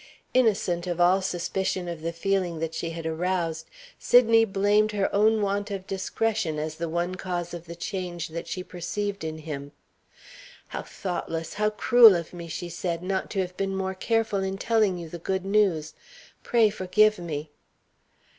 Innocent of all suspicion of the feeling that she had aroused, Sydney blamed her own want of discretion as the one cause of the change that she perceived in him. "How thoughtless, how cruel of me," she said, "not to have been more careful in telling you the good news! Pray forgive me."